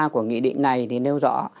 của nghị định này thì nêu rõ